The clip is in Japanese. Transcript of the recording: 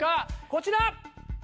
こちら！